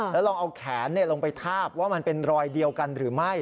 แล้วลองเอาแขนลงไปทาบว่ามันเป็นรอยเดียวกันหรือไม่